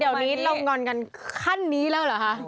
เดี๋ยวนี้เรางอนกันขั้นนี้แล้วเหรอคะ